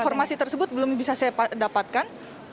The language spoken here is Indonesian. informasi tersebut belum bisa saya dapatkan